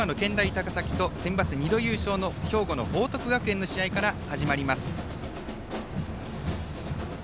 高崎とセンバツ２度優勝の兵庫の報徳学園の試合から始まります。